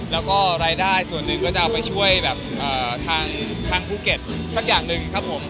แล้วก็รายได้ส่วนหนึ่งก็จะเอาไปช่วยแบบทางภูเก็ตสักอย่างหนึ่งครับผม